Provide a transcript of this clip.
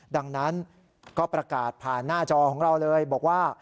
ดังนั้นก็ประกาศผ่านหน้าจอของเราเลยบอกว่า